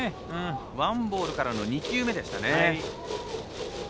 ワンボールからの２球目でしたね。